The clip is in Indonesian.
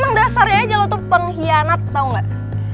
emang dasarnya aja lu tuh pengkhianat tau gak